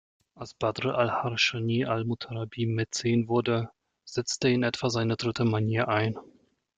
Als Badr al-Harschānī al-Mutanabbīs Mäzen wurde, setzt in etwa seine dritte Manier ein.